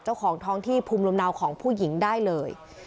เจ้าของท้องที่ภูมิลำเนาของผู้หญิงได้เลย